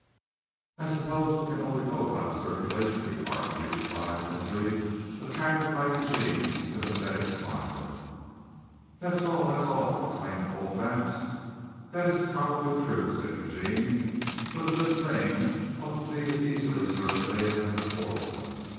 "I suppose we can only go by the circulation department," he replied simply, attracted by Eugene's sympathetic smile. "That's all! That's all!" exclaimed Colfax. "That is probably true," said Eugene, "but a good thing ought to be as easily circulated as a poor one.